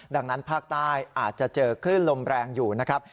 ดังนั้นภาคใต้อาจจะเจอคลื่นลมแรงอยู่นะครับ